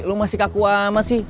lo masih kaku ama sih